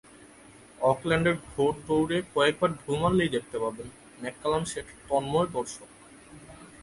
অকল্যান্ডের ঘোড়দৌড়ে কয়েকবার ঢুঁ মারলেই দেখতে পাবেন, ম্যাককালাম সেটির তন্ময় দর্শক।